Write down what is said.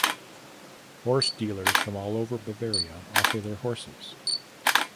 Horse dealers from all over Bavaria offer their horses.